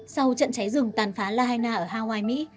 sau trận cháy rừng tàn phá lahaina ở hawaii mỹ